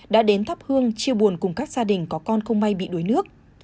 đã đến thắp hương chia buồn cùng các gia đình có con không may bị đuối nước